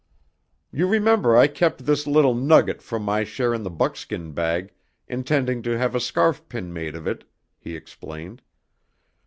"You remember I kept this little nugget from my share in the buckskin bag, intending to have a scarf pin made of it," he explained.